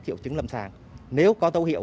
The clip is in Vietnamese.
triệu chứng lầm sàng nếu có dấu hiệu